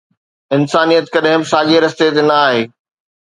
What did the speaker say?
انسانيت ڪڏهن به ساڳئي رستي تي نه آهي